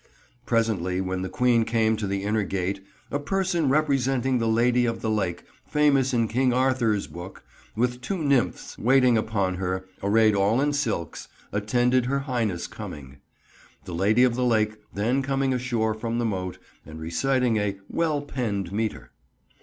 Presently when the Queen came to the inner gate "a person representing the Lady of the Lake, famous in King Arthurz Book, with two Nymphes waiting uppon her, arrayed all in sylks, attended her highness comming," the Lady of the Lake then coming ashore from the moat, and reciting a "well penned meeter."